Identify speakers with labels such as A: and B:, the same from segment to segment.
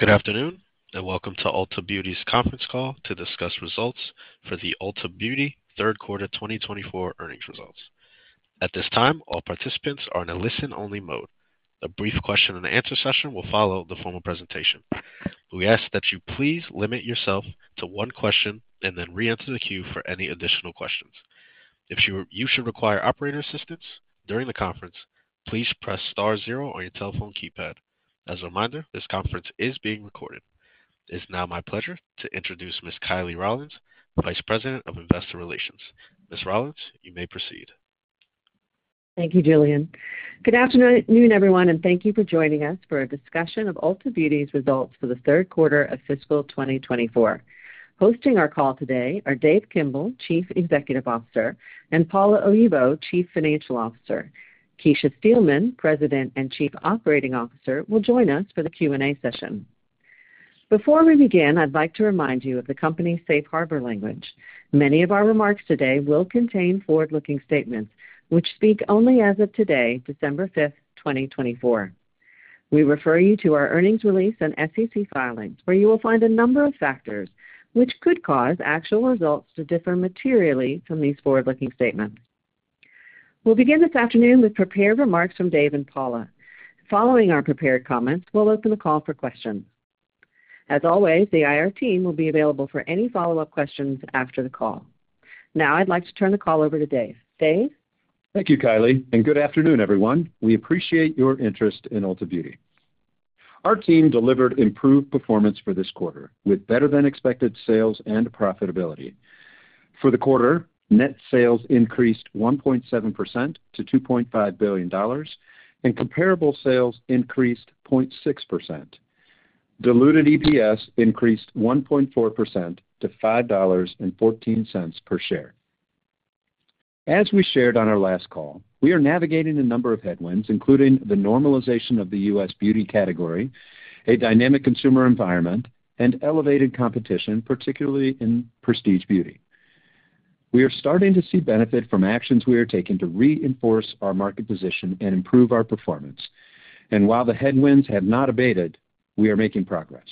A: Good afternoon, and welcome to Ulta Beauty's Conference Call to discuss results for the Ulta Beauty Third Quarter 2024 Earnings Results. At this time, all participants are in a listen-only mode. A brief question-and-answer session will follow the formal presentation. We ask that you please limit yourself to one question and then re-enter the queue for any additional questions. If you should require operator assistance during the conference, please press star zero on your telephone keypad. As a reminder, this conference is being recorded. It is now my pleasure to introduce Ms. Kiley Rawlins, Vice President of Investor Relations. Ms. Rawlins, you may proceed.
B: Thank you, Jillian. Good afternoon, everyone, and thank you for joining us for a discussion of Ulta Beauty's results for the third quarter of fiscal 2024. Hosting our call today are Dave Kimbell, Chief Executive Officer, and Paula Oyibo, Chief Financial Officer. Kecia Steelman, President and Chief Operating Officer, will join us for the Q&A session. Before we begin, I'd like to remind you of the company's safe harbor language. Many of our remarks today will contain forward-looking statements, which speak only as of today, December 5th, 2024. We refer you to our earnings release and SEC filings, where you will find a number of factors which could cause actual results to differ materially from these forward-looking statements. We'll begin this afternoon with prepared remarks from Dave and Paula. Following our prepared comments, we'll open the call for questions. As always, the IR team will be available for any follow-up questions after the call. Now, I'd like to turn the call over to Dave. Dave?
C: Thank you, Kiley, and good afternoon, everyone. We appreciate your interest in Ulta Beauty. Our team delivered improved performance for this quarter, with better-than-expected sales and profitability. For the quarter, net sales increased 1.7% to $2.5 billion, and comparable sales increased 0.6%. Diluted EPS increased 1.4% to $5.14 per share. As we shared on our last call, we are navigating a number of headwinds, including the normalization of the U.S. beauty category, a dynamic consumer environment, and elevated competition, particularly in prestige beauty. We are starting to see benefit from actions we are taking to reinforce our market position and improve our performance. And while the headwinds have not abated, we are making progress.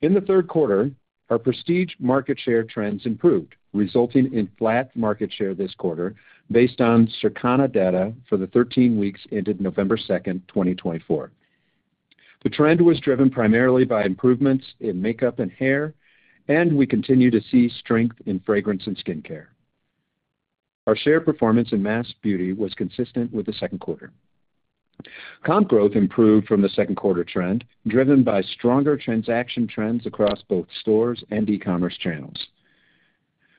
C: In the third quarter, our prestige market share trends improved, resulting in flat market share this quarter based on Circana data for the 13 weeks ended November 2nd, 2024. The trend was driven primarily by improvements in makeup and hair, and we continue to see strength in fragrance and skincare. Our share performance in mass beauty was consistent with the second quarter. Comp growth improved from the second quarter trend, driven by stronger transaction trends across both stores and e-commerce channels.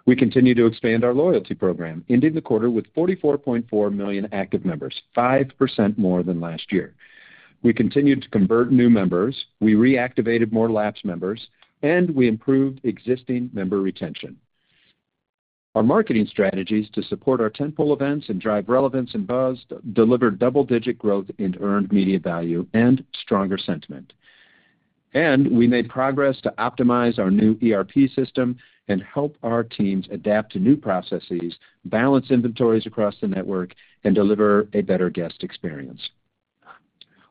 C: We continue to expand our loyalty program, ending the quarter with 44.4 million active members, 5% more than last year. We continued to convert new members, we reactivated more lapsed members, and we improved existing member retention. Our marketing strategies to support our tentpole events and drive relevance and buzz delivered double-digit growth in earned media value and stronger sentiment, and we made progress to optimize our new ERP system and help our teams adapt to new processes, balance inventories across the network, and deliver a better guest experience.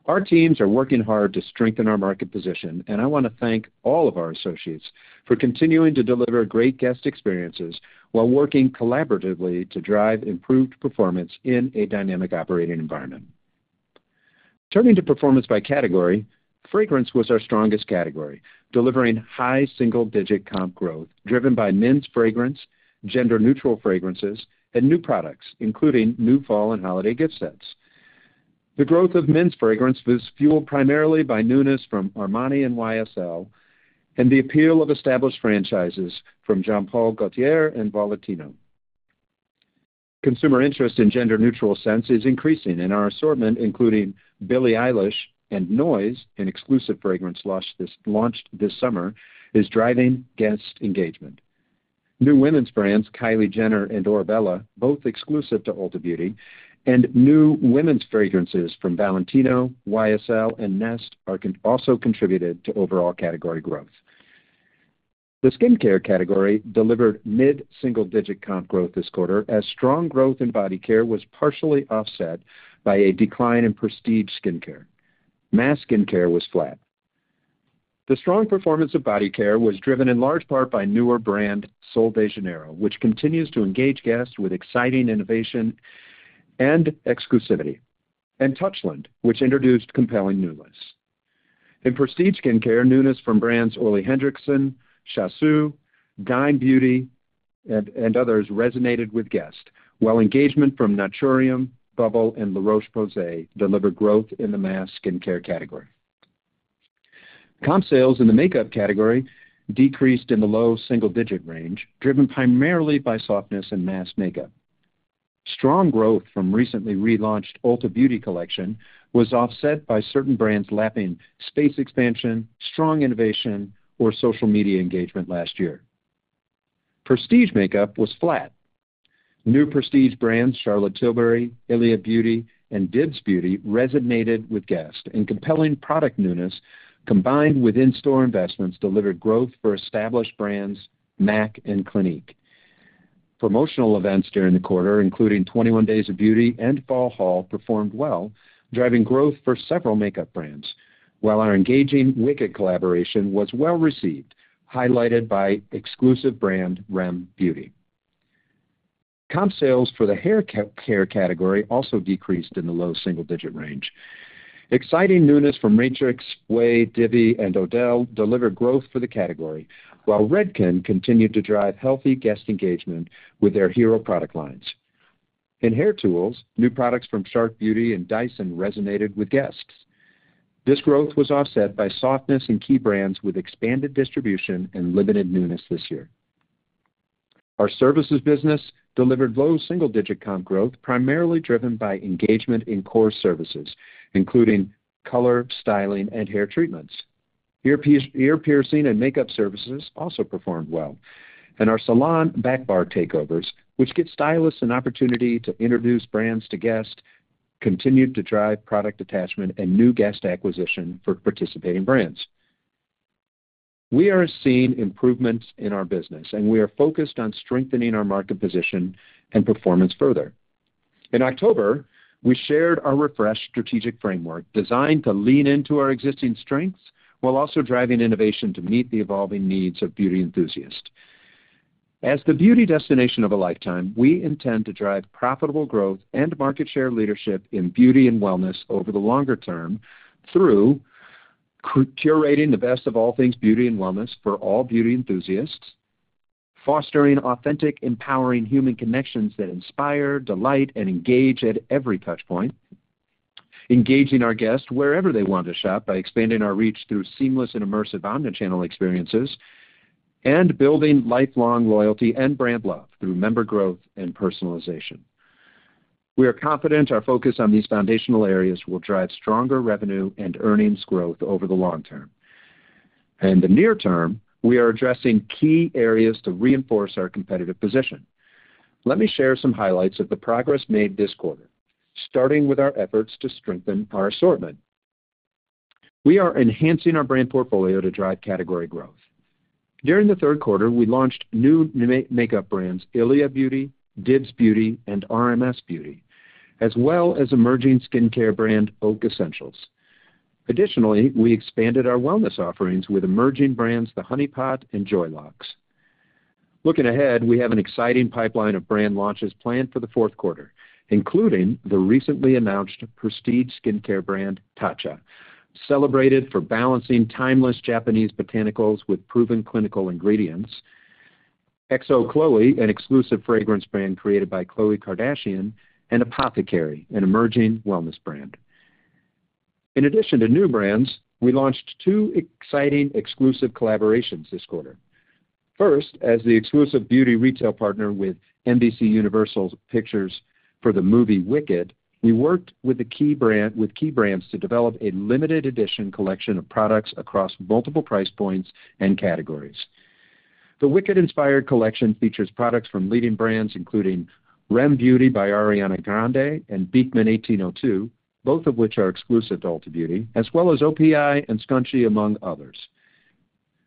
C: Our teams are working hard to strengthen our market position, and I want to thank all of our associates for continuing to deliver great guest experiences while working collaboratively to drive improved performance in a dynamic operating environment. Turning to performance by category, fragrance was our strongest category, delivering high single-digit comp growth driven by men's fragrance, gender-neutral fragrances, and new products, including new fall and holiday gift sets. The growth of men's fragrance was fueled primarily by newness from Armani and YSL, and the appeal of established franchises from Jean Paul Gaultier and Valentino. Consumer interest in gender-neutral scents is increasing, and our assortment, including Billie Eilish and NOYZ, an exclusive fragrance launched this summer, is driving guest engagement. New women's brands, Kylie Jenner and Orebella, both exclusive to Ulta Beauty, and new women's fragrances from Valentino, YSL, and NEST are also contributing to overall category growth. The skincare category delivered mid-single-digit comp growth this quarter, as strong growth in body care was partially offset by a decline in prestige skincare. Mass skincare was flat. The strong performance of body care was driven in large part by newer brand Sol de Janeiro, which continues to engage guests with exciting innovation and exclusivity, and Touchland, which introduced compelling newness. In prestige skincare, newness from brands Ole Henriksen, Shiseido, DIME Beauty, and others resonated with guests, while engagement from Naturium, Bubble, and La Roche-Posay delivered growth in the mass skincare category. Comp sales in the makeup category decreased in the low single-digit range, driven primarily by softness in mass makeup. Strong growth from recently relaunched Ulta Beauty Collection was offset by certain brands lapping space expansion, strong innovation, or social media engagement last year. Prestige makeup was flat. New prestige brands Charlotte Tilbury, ILIA, and DIBS Beauty resonated with guests, and compelling product newness combined with in-store investments delivered growth for established brands MAC and Clinique. Promotional events during the quarter, including 21 Days of Beauty and Fall Haul, performed well, driving growth for several makeup brands, while our engaging Wicked collaboration was well received, highlighted by exclusive brand r.e.m. beauty. Comp sales for the hair care category also decreased in the low single-digit range. Exciting newness from Matrix, OUAI, Divi, and Odele delivered growth for the category, while Redken continued to drive healthy guest engagement with their hero product lines. In hair tools, new products from Shark Beauty and Dyson resonated with guests. This growth was offset by softness in key brands with expanded distribution and limited newness this year. Our services business delivered low single-digit comp growth, primarily driven by engagement in core services, including color, styling, and hair treatments. Ear piercing and makeup services also performed well, and our salon back bar takeovers, which give stylists an opportunity to introduce brands to guests, continued to drive product attachment and new guest acquisition for participating brands. We are seeing improvements in our business, and we are focused on strengthening our market position and performance further. In October, we shared our refreshed strategic framework designed to lean into our existing strengths while also driving innovation to meet the evolving needs of beauty enthusiasts. As the beauty destination of a lifetime, we intend to drive profitable growth and market share leadership in beauty and wellness over the longer term through curating the best of all things beauty and wellness for all beauty enthusiasts, fostering authentic, empowering human connections that inspire, delight, and engage at every touchpoint, engaging our guests wherever they want to shop by expanding our reach through seamless and immersive omnichannel experiences, and building lifelong loyalty and brand love through member growth and personalization. We are confident our focus on these foundational areas will drive stronger revenue and earnings growth over the long term. In the near term, we are addressing key areas to reinforce our competitive position. Let me share some highlights of the progress made this quarter, starting with our efforts to strengthen our assortment. We are enhancing our brand portfolio to drive category growth. During the third quarter, we launched new makeup brands ILIA Beauty, DIBS Beauty, and RMS Beauty, as well as emerging skincare brand Oak Essentials. Additionally, we expanded our wellness offerings with emerging brands The Honey Pot and Joylux. Looking ahead, we have an exciting pipeline of brand launches planned for the fourth quarter, including the recently announced prestige skincare brand Tatcha, celebrated for balancing timeless Japanese botanicals with proven clinical ingredients. XO Khloé, an exclusive fragrance brand created by Khloé Kardashian; and Apothékary, an emerging wellness brand. In addition to new brands, we launched two exciting exclusive collaborations this quarter. First, as the exclusive beauty retail partner with NBCUniversal Pictures for the movie Wicked, we worked with key brands to develop a limited-edition collection of products across multiple price points and categories. The Wicked-inspired collection features products from leading brands, including r.e.m. beauty by Ariana Grande and Beekman 1802, both of which are exclusive to Ulta Beauty, as well as OPI and Scünci, among others.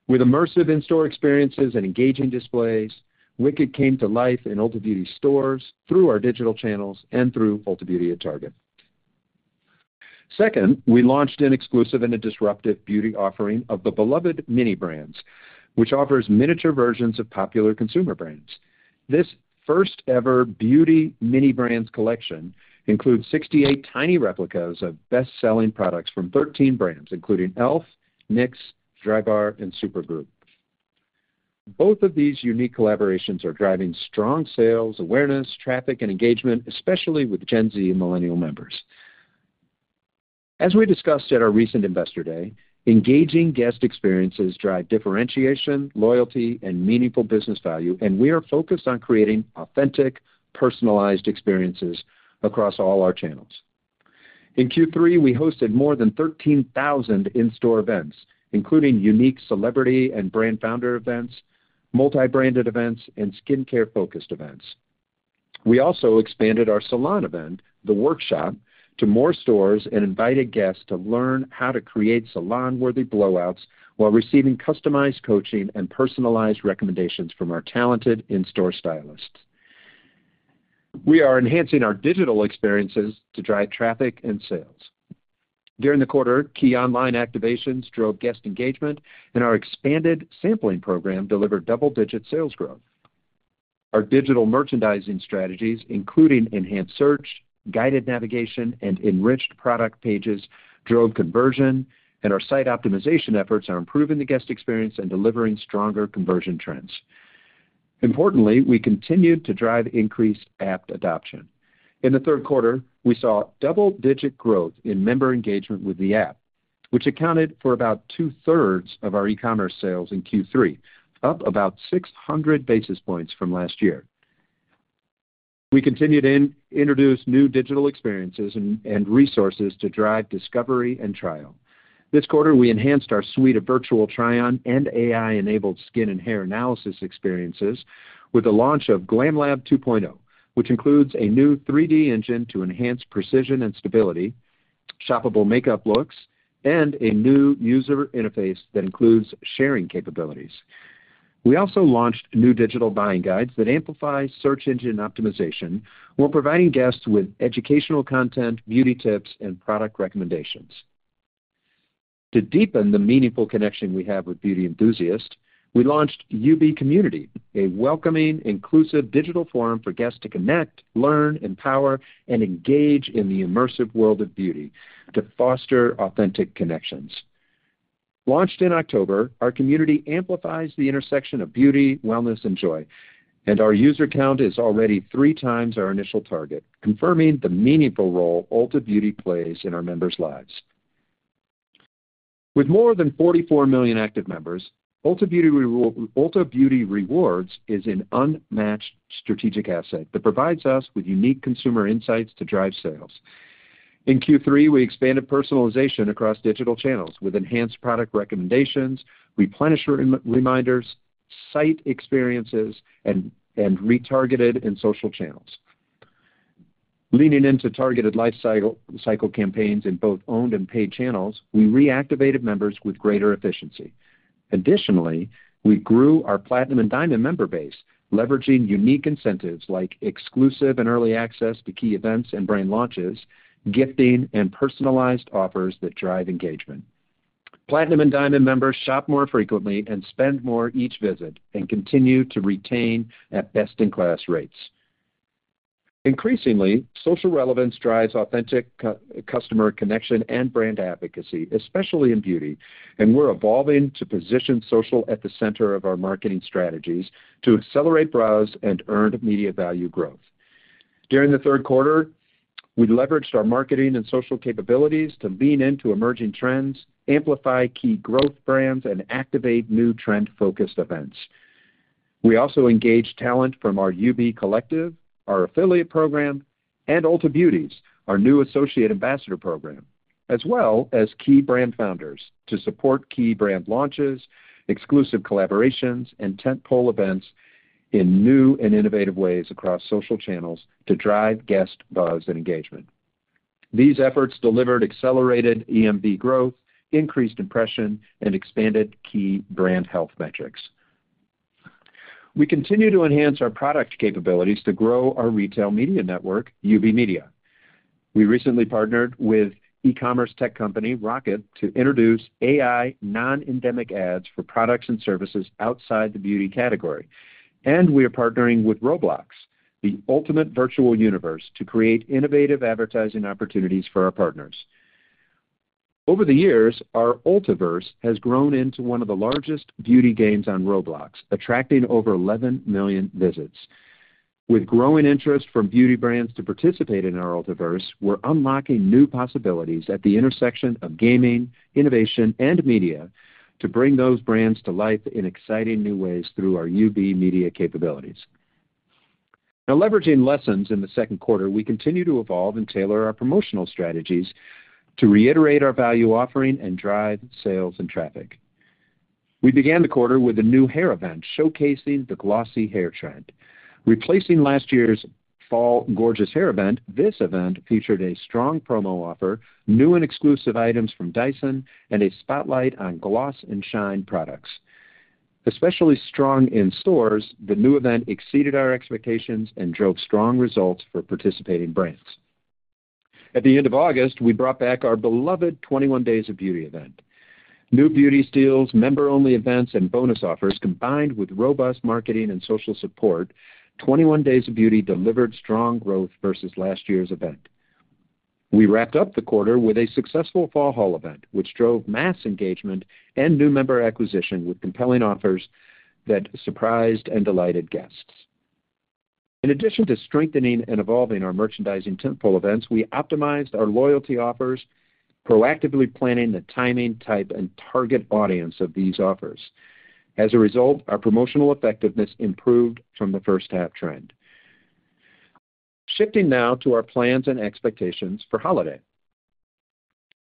C: With immersive in-store experiences and engaging displays, Wicked came to life in Ulta Beauty's stores through our digital channels and through Ulta Beauty at Target. Second, we launched an exclusive and a disruptive beauty offering of the beloved Mini Brands, which offers miniature versions of popular consumer brands. This first-ever beauty Mini Brands collection includes 68 tiny replicas of best-selling products from 13 brands, including e.l.f., NYX, Drybar, and Supergoop!. Both of these unique collaborations are driving strong sales, awareness, traffic, and engagement, especially with Gen Z and Millennial members. As we discussed at our recent Investor Day, engaging guest experiences drive differentiation, loyalty, and meaningful business value, and we are focused on creating authentic, personalized experiences across all our channels. In Q3, we hosted more than 13,000 in-store events, including unique celebrity and brand founder events, multi-branded events, and skincare-focused events. We also expanded our salon event, The Workshop, to more stores and invited guests to learn how to create salon-worthy blowouts while receiving customized coaching and personalized recommendations from our talented in-store stylists. We are enhancing our digital experiences to drive traffic and sales. During the quarter, key online activations drove guest engagement, and our expanded sampling program delivered double-digit sales growth. Our digital merchandising strategies, including enhanced search, guided navigation, and enriched product pages, drove conversion, and our site optimization efforts are improving the guest experience and delivering stronger conversion trends. Importantly, we continued to drive increased app adoption. In the third quarter, we saw double-digit growth in member engagement with the app, which accounted for about two-thirds of our e-commerce sales in Q3, up about 600 basis points from last year. We continued to introduce new digital experiences and resources to drive discovery and trial. This quarter, we enhanced our suite of virtual try-on and AI-enabled skin and hair analysis experiences with the launch of GLAMlab 2.0, which includes a new 3D engine to enhance precision and stability, shoppable makeup looks, and a new user interface that includes sharing capabilities. We also launched new digital buying guides that amplify search engine optimization while providing guests with educational content, beauty tips, and product recommendations. To deepen the meaningful connection we have with beauty enthusiasts, we launched UB Community, a welcoming, inclusive digital forum for guests to connect, learn, empower, and engage in the immersive world of beauty to foster authentic connections. Launched in October, our community amplifies the intersection of beauty, wellness, and joy, and our user count is already three times our initial target, confirming the meaningful role Ulta Beauty plays in our members' lives. With more than 44 million active members, Ulta Beauty Rewards is an unmatched strategic asset that provides us with unique consumer insights to drive sales. In Q3, we expanded personalization across digital channels with enhanced product recommendations, replenisher reminders, site experiences, and retargeted and social channels. Leaning into targeted life cycle campaigns in both owned and paid channels, we reactivated members with greater efficiency. Additionally, we grew our Platinum and Diamond member base, leveraging unique incentives like exclusive and early access to key events and brand launches, gifting, and personalized offers that drive engagement. Platinum and Diamond members shop more frequently and spend more each visit and continue to retain at best-in-class rates. Increasingly, social relevance drives authentic customer connection and brand advocacy, especially in beauty, and we're evolving to position social at the center of our marketing strategies to accelerate browse and earned media value growth. During the third quarter, we leveraged our marketing and social capabilities to lean into emerging trends, amplify key growth brands, and activate new trend-focused events. We also engaged talent from our UB Collective, our affiliate program, and Ulta Beauties, our new associate ambassador program, as well as key brand founders to support key brand launches, exclusive collaborations, and tentpole events in new and innovative ways across social channels to drive guest buzz and engagement. These efforts delivered accelerated EMV growth, increased impression, and expanded key brand health metrics. We continue to enhance our product capabilities to grow our retail media network, UB Media. We recently partnered with e-commerce tech company Rokt to introduce AI non-endemic ads for products and services outside the beauty category, and we are partnering with Roblox, the ultimate virtual universe, to create innovative advertising opportunities for our partners. Over the years, our Ultaverse has grown into one of the largest beauty games on Roblox, attracting over 11 million visits. With growing interest from beauty brands to participate in our Ultaverse, we're unlocking new possibilities at the intersection of gaming, innovation, and media to bring those brands to life in exciting new ways through our UB Media capabilities. Now, leveraging lessons in the second quarter, we continue to evolve and tailor our promotional strategies to reiterate our value offering and drive sales and traffic. We began the quarter with a new hair event showcasing the glossy hair trend. Replacing last year's Fall Gorgeous Hair Event, this event featured a strong promo offer, new and exclusive items from Dyson, and a spotlight on gloss and shine products. Especially strong in stores, the new event exceeded our expectations and drove strong results for participating brands. At the end of August, we brought back our beloved 21 Days of Beauty event. New Beauty Steals, member-only events, and bonus offers combined with robust marketing and social support, 21 Days of Beauty delivered strong growth versus last year's event. We wrapped up the quarter with a successful Fall Haul event, which drove mass engagement and new member acquisition with compelling offers that surprised and delighted guests. In addition to strengthening and evolving our merchandising tentpole events, we optimized our loyalty offers, proactively planning the timing, type, and target audience of these offers. As a result, our promotional effectiveness improved from the first-half trend. Shifting now to our plans and expectations for holiday.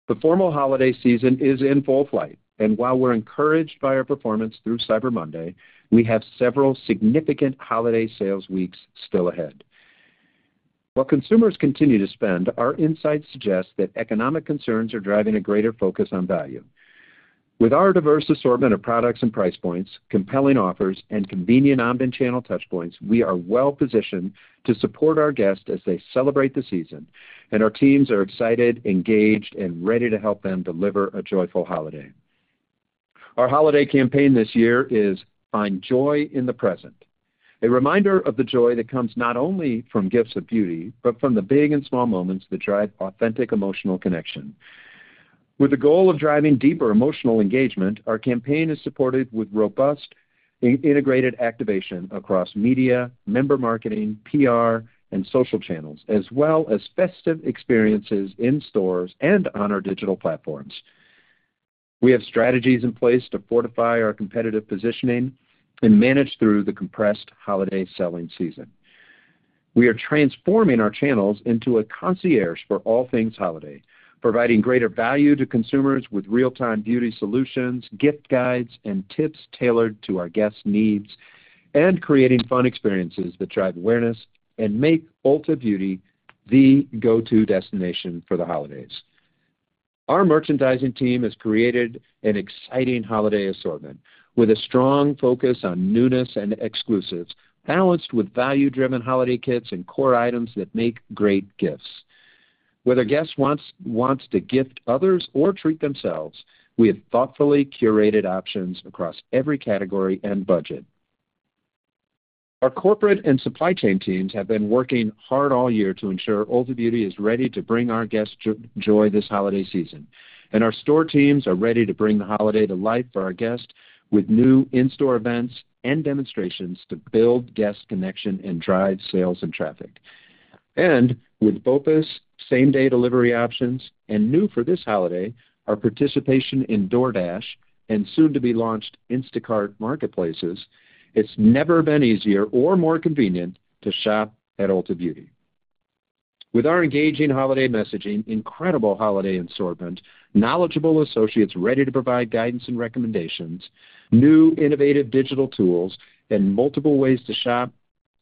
C: The formal holiday season is in full swing, and while we're encouraged by our performance through Cyber Monday, we have several significant holiday sales weeks still ahead. While consumers continue to spend, our insights suggest that economic concerns are driving a greater focus on value. With our diverse assortment of products and price points, compelling offers, and convenient omnichannel touchpoints, we are well-positioned to support our guests as they celebrate the season, and our teams are excited, engaged, and ready to help them deliver a joyful holiday. Our holiday campaign this year is Find Joy in the Present, a reminder of the joy that comes not only from gifts of beauty but from the big and small moments that drive authentic emotional connection. With the goal of driving deeper emotional engagement, our campaign is supported with robust integrated activation across media, member marketing, PR, and social channels, as well as festive experiences in stores and on our digital platforms. We have strategies in place to fortify our competitive positioning and manage through the compressed holiday selling season. We are transforming our channels into a concierge for all things holiday, providing greater value to consumers with real-time beauty solutions, gift guides, and tips tailored to our guests' needs, and creating fun experiences that drive awareness and make Ulta Beauty the go-to destination for the holidays. Our merchandising team has created an exciting holiday assortment with a strong focus on newness and exclusives, balanced with value-driven holiday kits and core items that make great gifts. Whether guests want to gift others or treat themselves, we have thoughtfully curated options across every category and budget. Our corporate and supply chain teams have been working hard all year to ensure Ulta Beauty is ready to bring our guests joy this holiday season, and our store teams are ready to bring the holiday to life for our guests with new in-store events and demonstrations to build guest connection and drive sales and traffic. And with BOPUS same-day delivery options and new for this holiday, our participation in DoorDash and soon-to-be-launched Instacart marketplaces, it's never been easier or more convenient to shop at Ulta Beauty. With our engaging holiday messaging, incredible holiday assortment, knowledgeable associates ready to provide guidance and recommendations, new innovative digital tools, and multiple ways to shop,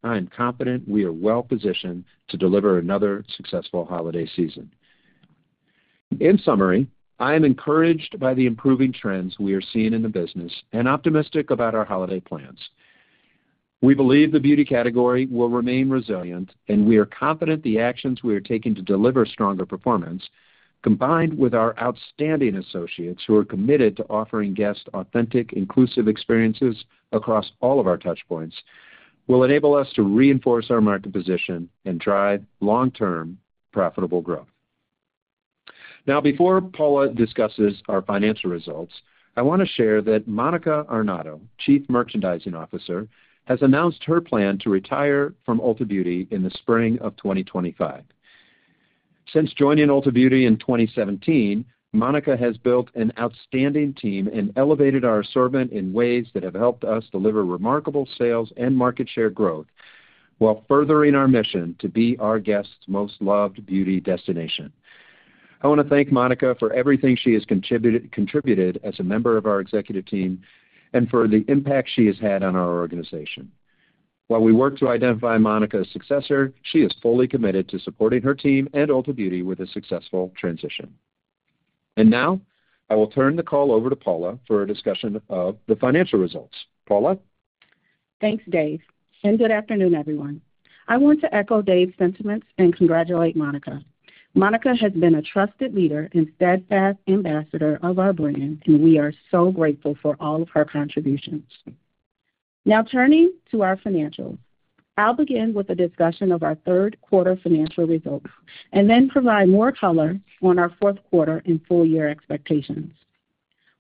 C: I am confident we are well-positioned to deliver another successful holiday season. In summary, I am encouraged by the improving trends we are seeing in the business and optimistic about our holiday plans. We believe the beauty category will remain resilient, and we are confident the actions we are taking to deliver stronger performance, combined with our outstanding associates who are committed to offering guests authentic, inclusive experiences across all of our touchpoints, will enable us to reinforce our market position and drive long-term profitable growth. Now, before Paula discusses our financial results, I want to share that Monica Arnaudo, Chief Merchandising Officer, has announced her plan to retire from Ulta Beauty in the spring of 2025. Since joining Ulta Beauty in 2017, Monica has built an outstanding team and elevated our assortment in ways that have helped us deliver remarkable sales and market share growth while furthering our mission to be our guests' most loved beauty destination. I want to thank Monica for everything she has contributed as a member of our executive team and for the impact she has had on our organization. While we work to identify Monica's successor, she is fully committed to supporting her team and Ulta Beauty with a successful transition. Now, I will turn the call over to Paula for a discussion of the financial results. Paula.
D: Thanks, Dave. Good afternoon, everyone. I want to echo Dave's sentiments and congratulate Monica. Monica has been a trusted leader and steadfast ambassador of our brand, and we are so grateful for all of her contributions. Now, turning to our financials, I'll begin with a discussion of our third-quarter financial results and then provide more color on our fourth-quarter and full-year expectations.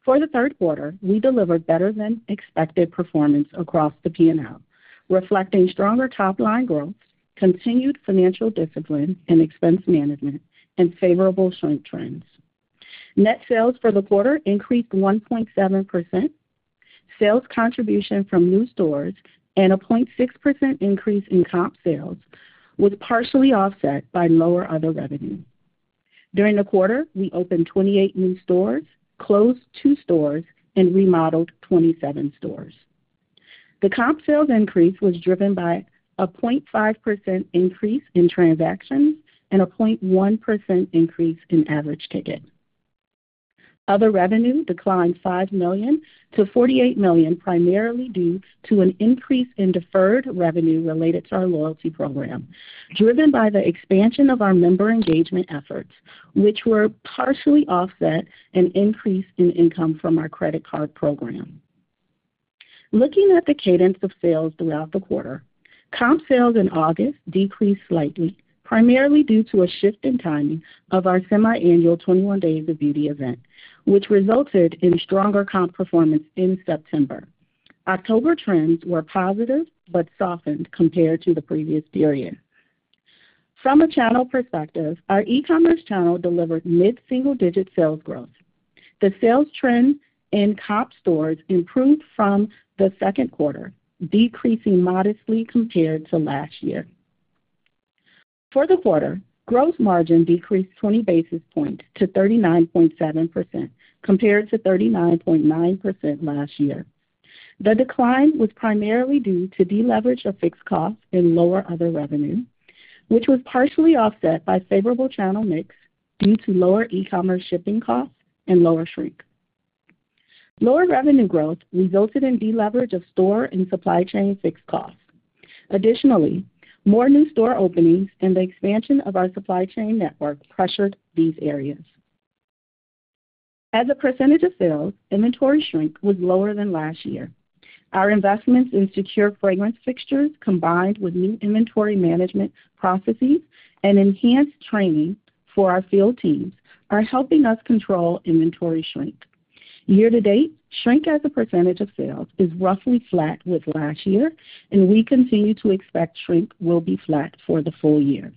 D: For the third quarter, we delivered better-than-expected performance across the P&L, reflecting stronger top-line growth, continued financial discipline, and expense management, and favorable shrink trends. Net sales for the quarter increased 1.7%. Sales contribution from new stores and a 0.6% increase in comp sales was partially offset by lower other revenue. During the quarter, we opened 28 new stores, closed two stores, and remodeled 27 stores. The comp sales increase was driven by a 0.5% increase in transactions and a 0.1% increase in average ticket. Other revenue declined $5 million to $48 million, primarily due to an increase in deferred revenue related to our loyalty program, driven by the expansion of our member engagement efforts, which were partially offset by an increase in income from our credit card program. Looking at the cadence of sales throughout the quarter, comp sales in August decreased slightly, primarily due to a shift in timing of our semiannual 21 Days of Beauty event, which resulted in stronger comp performance in September. October trends were positive but softened compared to the previous period. From a channel perspective, our e-commerce channel delivered mid-single-digit sales growth. The sales trend in comp stores improved from the second quarter, decreasing modestly compared to last year. For the quarter, gross margin decreased 20 basis points to 39.7% compared to 39.9% last year. The decline was primarily due to deleverage of fixed costs and lower other revenue, which was partially offset by favorable channel mix due to lower e-commerce shipping costs and lower shrink. Lower revenue growth resulted in deleverage of store and supply chain fixed costs. Additionally, more new store openings and the expansion of our supply chain network pressured these areas. As a percentage of sales, inventory shrink was lower than last year. Our investments in secure fragrance fixtures, combined with new inventory management processes and enhanced training for our field teams, are helping us control inventory shrink. Year-to-date, shrink as a percentage of sales is roughly flat with last year, and we continue to expect shrink will be flat for the full year.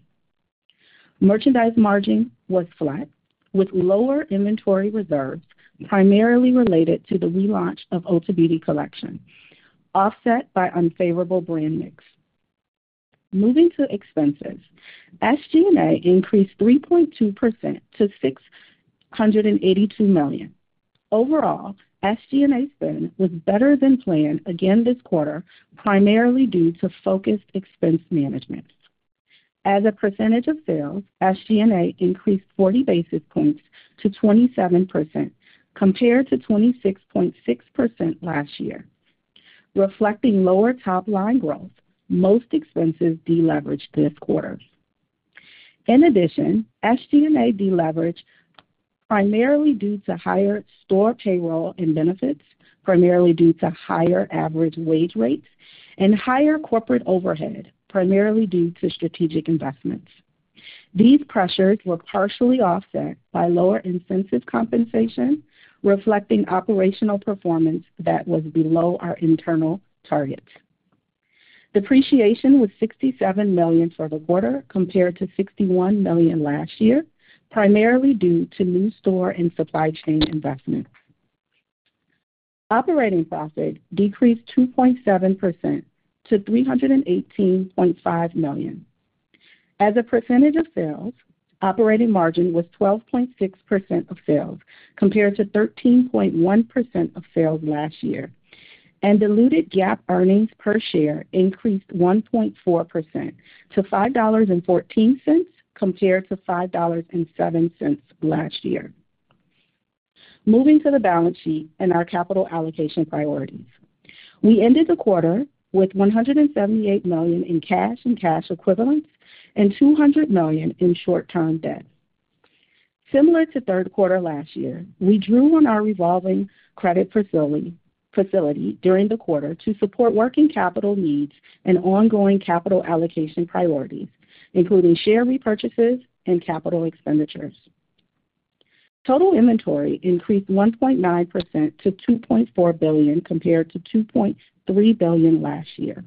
D: Merchandise margin was flat, with lower inventory reserves primarily related to the relaunch of Ulta Beauty Collection, offset by unfavorable brand mix. Moving to expenses, SG&A increased 3.2% to $682 million. Overall, SG&A spend was better than planned again this quarter, primarily due to focused expense management. As a percentage of sales, SG&A increased 40 basis points to 27% compared to 26.6% last year, reflecting lower top-line growth. Most expenses deleveraged this quarter. In addition, SG&A deleveraged primarily due to higher store payroll and benefits, primarily due to higher average wage rates, and higher corporate overhead, primarily due to strategic investments. These pressures were partially offset by lower incentive compensation, reflecting operational performance that was below our internal targets. Depreciation was $67 million for the quarter compared to $61 million last year, primarily due to new store and supply chain investments. Operating profit decreased 2.7% to $318.5 million. As a percentage of sales, operating margin was 12.6% of sales compared to 13.1% of sales last year, and diluted GAAP earnings per share increased 1.4% to $5.14 compared to $5.07 last year. Moving to the balance sheet and our capital allocation priorities, we ended the quarter with $178 million in cash and cash equivalents and $200 million in short-term debt. Similar to third quarter last year, we drew on our revolving credit facility during the quarter to support working capital needs and ongoing capital allocation priorities, including share repurchases and capital expenditures. Total inventory increased 1.9% to $2.4 billion compared to $2.3 billion last year.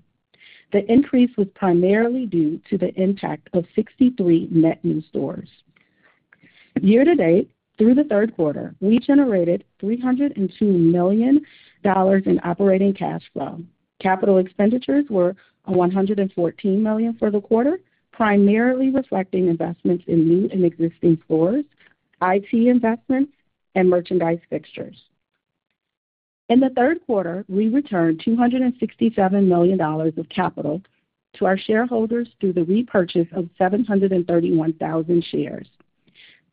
D: The increase was primarily due to the impact of 63 net new stores. Year-to-date, through the third quarter, we generated $302 million in operating cash flow. Capital expenditures were $114 million for the quarter, primarily reflecting investments in new and existing stores, IT investments, and merchandise fixtures. In the third quarter, we returned $267 million of capital to our shareholders through the repurchase of 731,000 shares.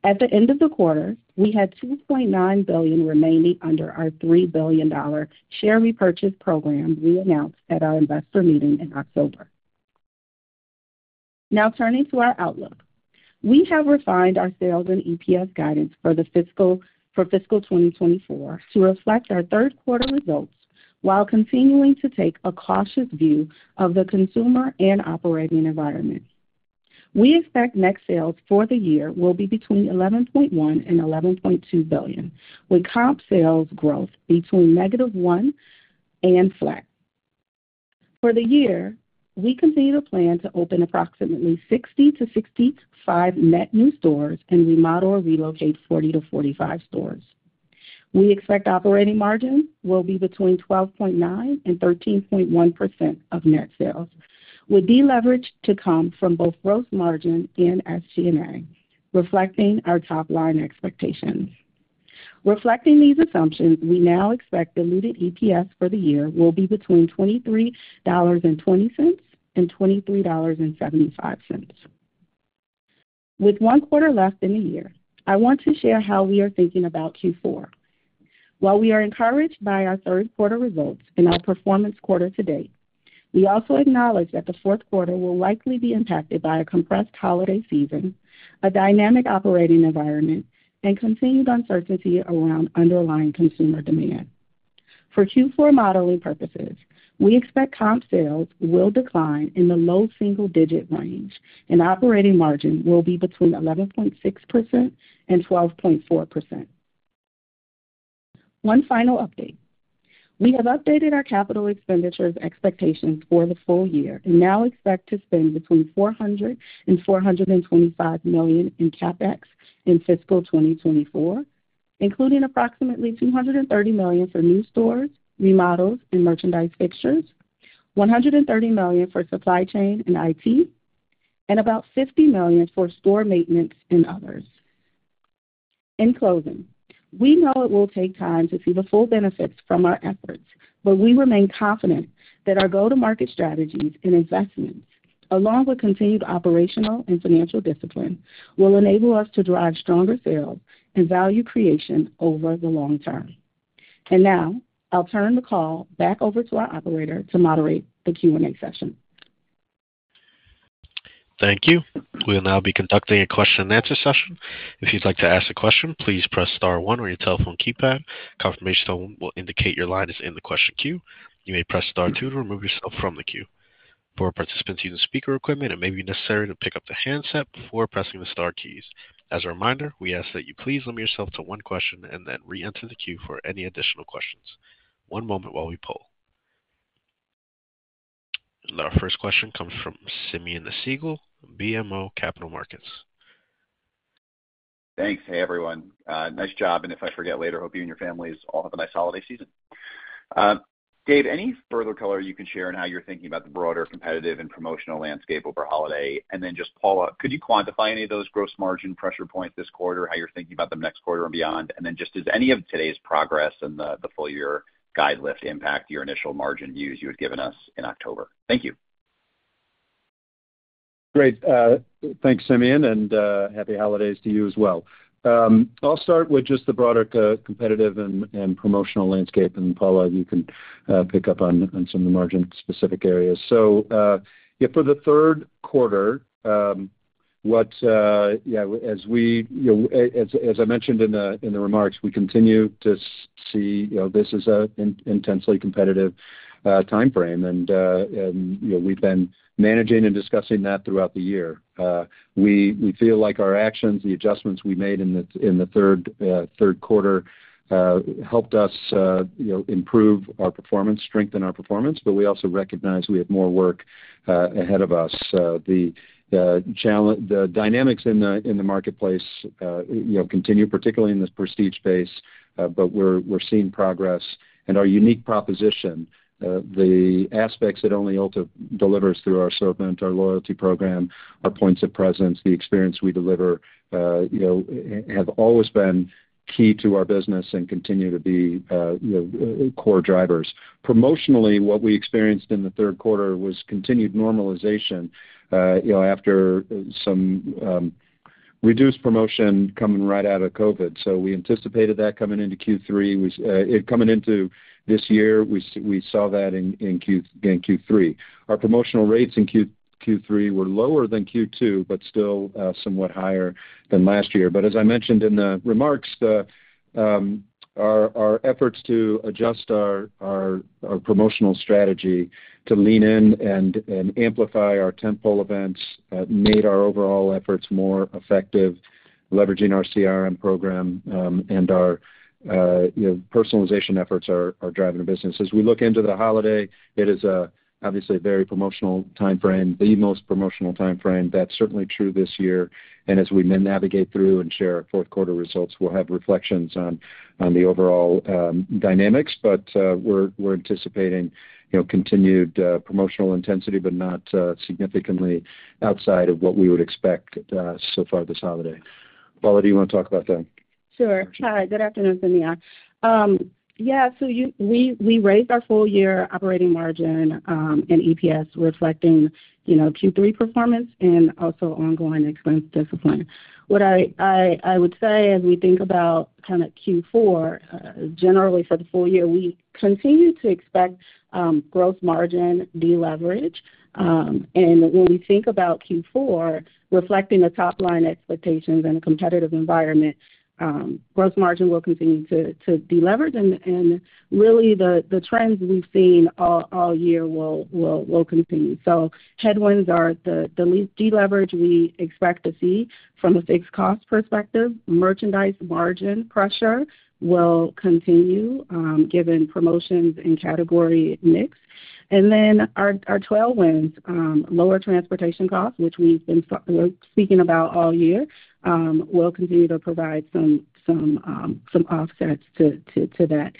D: At the end of the quarter, we had $2.9 billion remaining under our $3 billion share repurchase program we announced at our investor meeting in October. Now, turning to our outlook, we have refined our sales and EPS guidance for fiscal 2024 to reflect our third-quarter results while continuing to take a cautious view of the consumer and operating environment. We expect net sales for the year will be between $11.1 billion and $11.2 billion, with comp sales growth between negative one and flat. For the year, we continue to plan to open approximately 60-65 net new stores and remodel or relocate 40-45 stores. We expect operating margin will be between 12.9% and 13.1% of net sales, with deleverage to come from both gross margin and SG&A, reflecting our top-line expectations. Reflecting these assumptions, we now expect diluted EPS for the year will be between $23.20 and $23.75. With one quarter left in the year, I want to share how we are thinking about Q4. While we are encouraged by our third-quarter results and our performance quarter to date, we also acknowledge that the fourth quarter will likely be impacted by a compressed holiday season, a dynamic operating environment, and continued uncertainty around underlying consumer demand. For Q4 modeling purposes, we expect comp sales will decline in the low single-digit range, and operating margin will be between 11.6% and 12.4%. One final update. We have updated our capital expenditures expectations for the full year and now expect to spend between $400 million and $425 million in CapEx in fiscal 2024, including approximately $230 million for new stores, remodels, and merchandise fixtures, $130 million for supply chain and IT, and about $50 million for store maintenance and others. In closing, we know it will take time to see the full benefits from our efforts, but we remain confident that our go-to-market strategies and investments, along with continued operational and financial discipline, will enable us to drive stronger sales and value creation over the long term. And now, I'll turn the call back over to our operator to moderate the Q&A session.
A: Thank you. We'll now be conducting a question-and-answer session. If you'd like to ask a question, please press star one on your telephone keypad. Confirmation will indicate your line is in the question queue. You may press star two to remove yourself from the queue. For participants using speaker equipment, it may be necessary to pick up the handset before pressing the star keys. As a reminder, we ask that you please limit yourself to one question and then re-enter the queue for any additional questions. One moment while we poll. Our first question comes from Simeon Siegel, BMO Capital Markets.
E: Thanks. Hey, everyone. Nice job. And if I forget later, hope you and your families all have a nice holiday season. Dave, any further color you can share in how you're thinking about the broader competitive and promotional landscape over holiday? And then just Paula, could you quantify any of those gross margin pressure points this quarter, how you're thinking about them next quarter and beyond? And then just does any of today's progress and the full-year guide lift impact your initial margin views you had given us in October? Thank you.
C: Great. Thanks, Simeon, and happy holidays to you as well. I'll start with just the broader competitive and promotional landscape, and Paula, you can pick up on some of the margin-specific areas. For the third quarter, yeah, as I mentioned in the remarks, we continue to see this is an intensely competitive time frame, and we've been managing and discussing that throughout the year. We feel like our actions, the adjustments we made in the third quarter, helped us improve our performance, strengthen our performance, but we also recognize we have more work ahead of us. The dynamics in the marketplace continue, particularly in the prestige space, but we're seeing progress. Our unique proposition, the aspects that only Ulta delivers through our service, our loyalty program, our points of presence, the experience we deliver have always been key to our business and continue to be core drivers. Promotionally, what we experienced in the third quarter was continued normalization after some reduced promotion coming right out of COVID. We anticipated that coming into Q3. Coming into this year, we saw that in Q3. Our promotional rates in Q3 were lower than Q2, but still somewhat higher than last year but as I mentioned in the remarks, our efforts to adjust our promotional strategy to lean in and amplify our tentpole events made our overall efforts more effective, leveraging our CRM program and our personalization efforts are driving the business. As we look into the holiday, it is obviously a very promotional time frame, the most promotional time frame. That's certainly true this year and as we navigate through and share our fourth-quarter results, we'll have reflections on the overall dynamics, but we're anticipating continued promotional intensity, but not significantly outside of what we would expect so far this holiday. Paula, do you want to talk about that?
D: Sure. Hi. Good afternoon, Simeon. Yeah. So we raised our full-year operating margin and EPS, reflecting Q3 performance and also ongoing expense discipline. What I would say as we think about kind of Q4, generally for the full year, we continue to expect gross margin deleverage. And when we think about Q4, reflecting the top-line expectations and the competitive environment, gross margin will continue to deleverage. And really, the trends we've seen all year will continue. So headwinds are the least deleverage we expect to see from a fixed cost perspective. Merchandise margin pressure will continue given promotions and category mix. And then our tailwinds, lower transportation costs, which we've been speaking about all year, will continue to provide some offsets to that.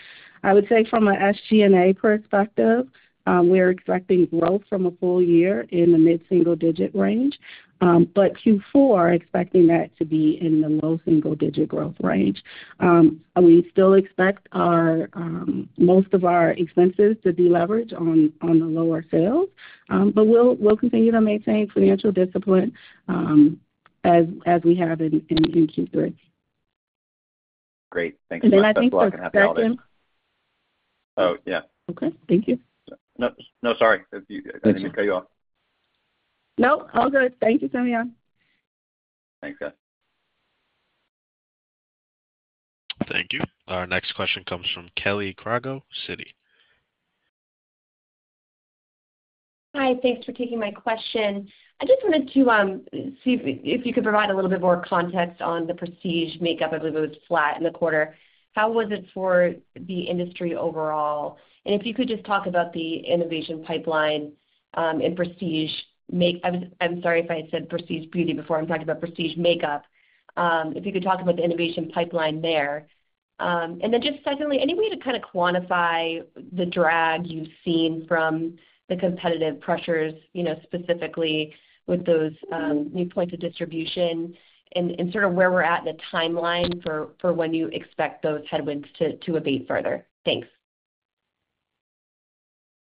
D: I would say from an SG&A perspective, we're expecting growth for the full year in the mid-single-digit range, but Q4, expecting that to be in the low single-digit growth range. We still expect most of our expenses to be leveraged on the lower sales, but we'll continue to maintain financial discipline as we have in Q3.
E: Great. Thanks so much.
D: And then I think that's it.
E: Oh, yeah.
D: Okay. Thank you.
E: Nope. No, sorry. I didn't mean to cut you off.
D: Nope. All good. Thank you, Simeon.
E: Thanks, guys.
A: Thank you. Our next question comes from Kelly Crago, Citi.
F: Hi. Thanks for taking my question. I just wanted to see if you could provide a little bit more context on the prestige makeup. I believe it was flat in the quarter. How was it for the industry overall? And if you could just talk about the innovation pipeline and prestige. I'm sorry if I said prestige beauty before. I'm talking about prestige makeup. If you could talk about the innovation pipeline there. And then just secondly, any way to kind of quantify the drag you've seen from the competitive pressures, specifically with those new points of distribution, and sort of where we're at in the timeline for when you expect those headwinds to abate further? Thanks.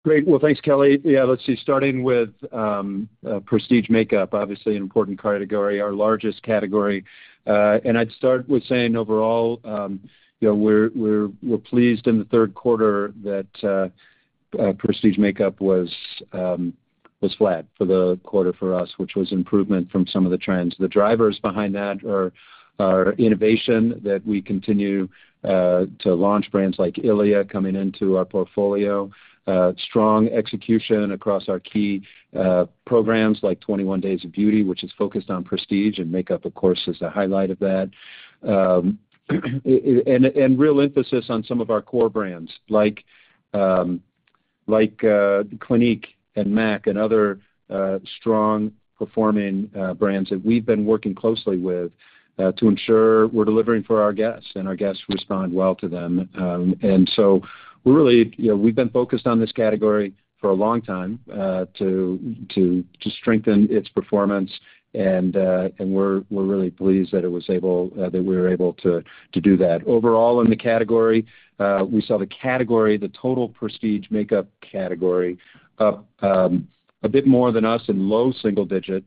C: Great. Well, thanks, Kelly. Yeah. Let's see. Starting with prestige makeup, obviously an important category, our largest category. And I'd start with saying overall, we're pleased in the third quarter that prestige makeup was flat for the quarter for us, which was improvement from some of the trends. The drivers behind that are innovation that we continue to launch brands like ILIA coming into our portfolio, strong execution across our key programs like 21 Days of Beauty, which is focused on prestige, and makeup, of course, is a highlight of that, and real emphasis on some of our core brands like Clinique and MAC and other strong-performing brands that we've been working closely with to ensure we're delivering for our guests and our guests respond well to them. And so we've been focused on this category for a long time to strengthen its performance, and we're really pleased that we were able to do that. Overall, in the category, we saw the category, the total prestige makeup category, up a bit more than us in low single digit.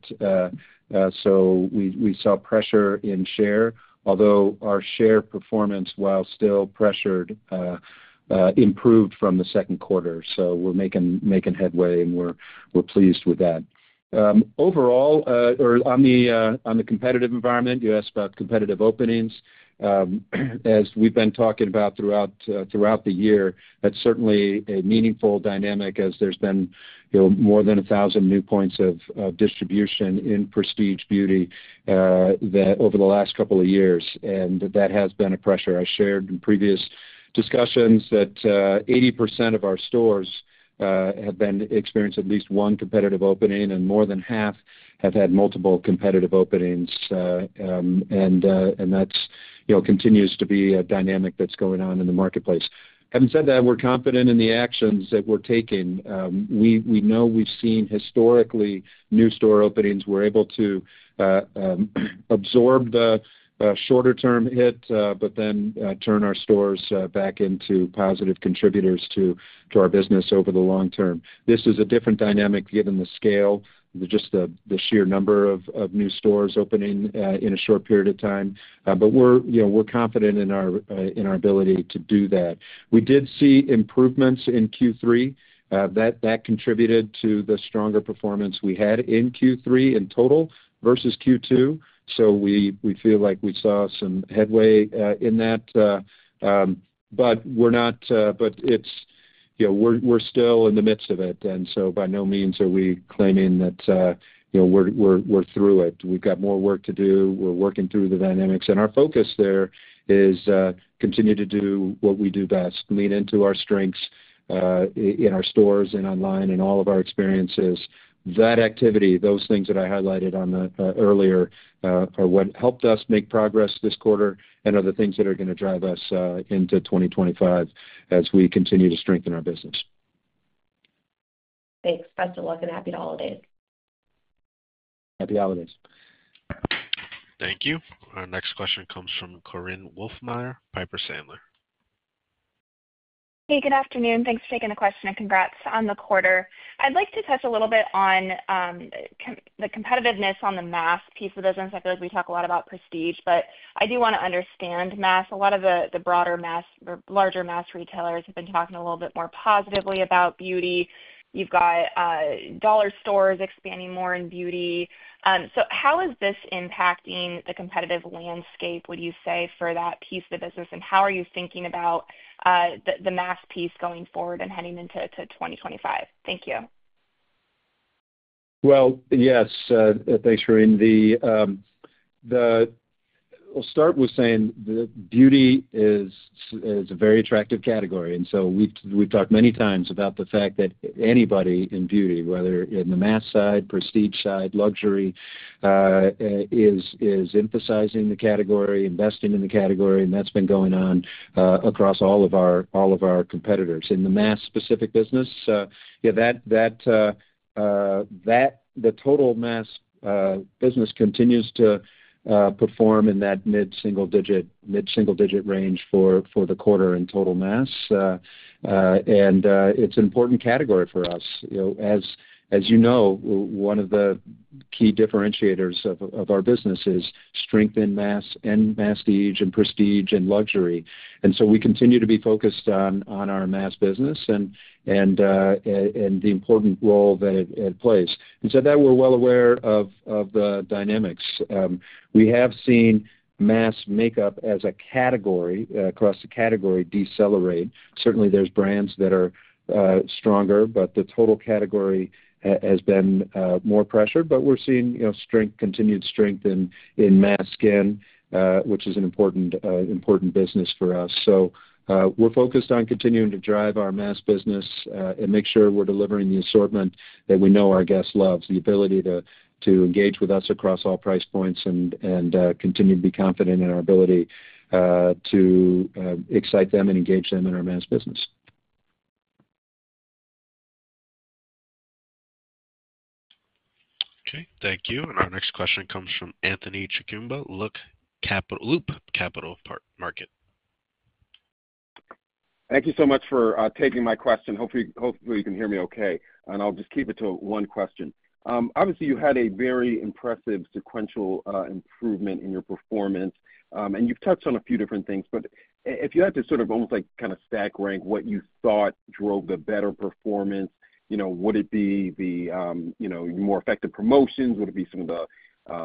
C: So we saw pressure in share, although our share performance, while still pressured, improved from the second quarter. So we're making headway, and we're pleased with that. Overall, or on the competitive environment, you asked about competitive openings. As we've been talking about throughout the year, that's certainly a meaningful dynamic as there's been more than 1,000 new points of distribution in prestige beauty over the last couple of years, and that has been a pressure. I shared in previous discussions that 80% of our stores have experienced at least one competitive opening, and more than half have had multiple competitive openings. And that continues to be a dynamic that's going on in the marketplace. Having said that, we're confident in the actions that we're taking. We know we've seen historically new store openings. We're able to absorb the shorter-term hit, but then turn our stores back into positive contributors to our business over the long term. This is a different dynamic given the scale, just the sheer number of new stores opening in a short period of time, but we're confident in our ability to do that. We did see improvements in Q3. That contributed to the stronger performance we had in Q3 in total versus Q2. So we feel like we saw some headway in that. But we're still in the midst of it. And so by no means are we claiming that we're through it. We've got more work to do. We're working through the dynamics. And our focus there is to continue to do what we do best, lean into our strengths in our stores and online and all of our experiences. That activity, those things that I highlighted earlier, are what helped us make progress this quarter and are the things that are going to drive us into 2025 as we continue to strengthen our business.
F: Thanks. Best of luck and happy holidays.
C: Happy holidays.
A: Thank you. Our next question comes from Korinne Wolfmeyer, Piper Sandler.
G: Hey, good afternoon. Thanks for taking the question and congrats on the quarter. I'd like to touch a little bit on the competitiveness on the mass piece of business. I feel like we talk a lot about prestige, but I do want to understand mass. A lot of the broader, larger mass retailers have been talking a little bit more positively about beauty. You've got dollar stores expanding more in beauty. So how is this impacting the competitive landscape, would you say, for that piece of the business? How are you thinking about the mass piece going forward and heading into 2025? Thank you.
C: Well, yes. Thanks, Korinne. I'll start with saying that beauty is a very attractive category. We've talked many times about the fact that anybody in beauty, whether in the mass side, prestige side, luxury, is emphasizing the category, investing in the category, and that's been going on across all of our competitors. In the mass-specific business, yeah, the total mass business continues to perform in that mid-single-digit range for the quarter in total mass. It's an important category for us. As you know, one of the key differentiators of our business is strength in mass and prestige and luxury. We continue to be focused on our mass business and the important role that it plays. We're well aware of the dynamics. We have seen mass makeup as a category across the category decelerate. Certainly, there's brands that are stronger, but the total category has been more pressured. But we're seeing continued strength in mass skin, which is an important business for us. So we're focused on continuing to drive our mass business and make sure we're delivering the assortment that we know our guests love, the ability to engage with us across all price points and continue to be confident in our ability to excite them and engage them in our mass business.
A: Okay. Thank you. And our next question comes from Anthony Chukumba, Loop Capital Markets.
H: Thank you so much for taking my question. Hopefully, you can hear me okay. And I'll just keep it to one question. Obviously, you had a very impressive sequential improvement in your performance. And you've touched on a few different things, but if you had to sort of almost kind of stack rank what you thought drove the better performance, would it be the more effective promotions? Would it be some of the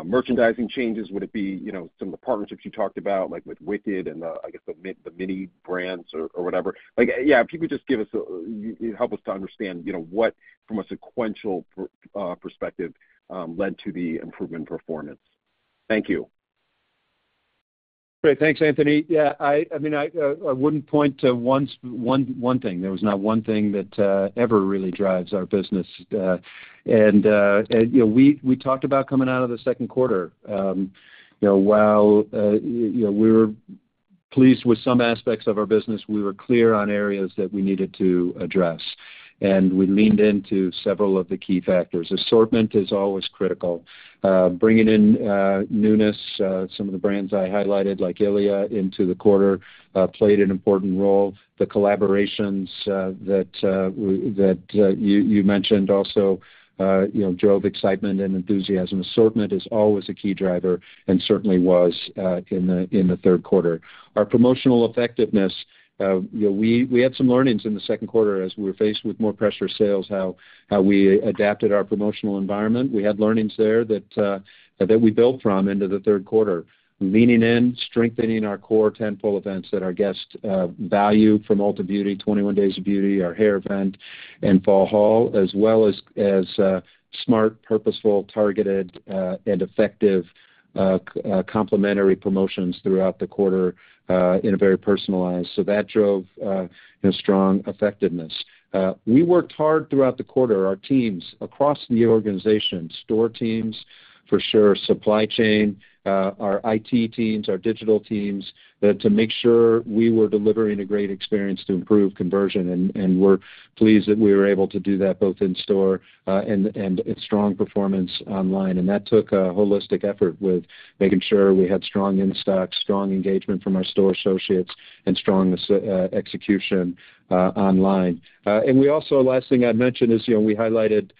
H: merchandising changes? Would it be some of the partnerships you talked about with Wicked and, I guess, the Mini Brands or whatever? Yeah. If you could just give us, help us to understand what, from a sequential perspective, led to the improvement in performance. Thank you.
C: Great. Thanks, Anthony. Yeah. I mean, I wouldn't point to one thing. There was not one thing that ever really drives our business. And we talked about coming out of the second quarter. While we were pleased with some aspects of our business, we were clear on areas that we needed to address. And we leaned into several of the key factors. Assortment is always critical. Bringing in newness, some of the brands I highlighted, like ILIA, into the quarter played an important role. The collaborations that you mentioned also drove excitement and enthusiasm. Assortment is always a key driver and certainly was in the third quarter. Our promotional effectiveness, we had some learnings in the second quarter as we were faced with more pressure sales, how we adapted our promotional environment. We had learnings there that we built from into the third quarter, leaning in, strengthening our core tentpole events that our guests value from Ulta Beauty, 21 Days of Beauty, our hair event, and Fall Haul, as well as smart, purposeful, targeted, and effective complimentary promotions throughout the quarter in a very personalized way. So that drove strong effectiveness. We worked hard throughout the quarter, our teams across the organization, store teams for sure, supply chain, our IT teams, our digital teams, to make sure we were delivering a great experience to improve conversion. And we're pleased that we were able to do that both in store and strong performance online. And that took a holistic effort with making sure we had strong in-stock, strong engagement from our store associates, and strong execution online. And we also, last thing I'd mention is we highlighted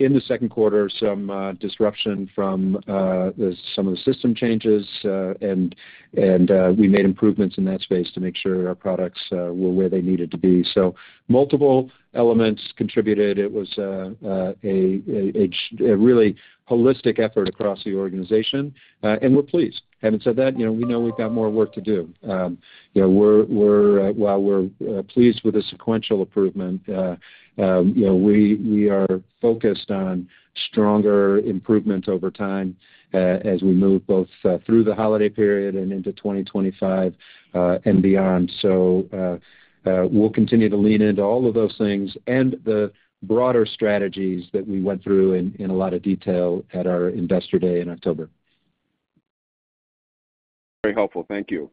C: in the second quarter some disruption from some of the system changes, and we made improvements in that space to make sure our products were where they needed to be. So multiple elements contributed. It was a really holistic effort across the organization. And we're pleased. Having said that, we know we've got more work to do. While we're pleased with the sequential improvement, we are focused on stronger improvement over time as we move both through the holiday period and into 2025 and beyond. So we'll continue to lean into all of those things and the broader strategies that we went through in a lot of detail at our Investor Day in October.
H: Very helpful. Thank you.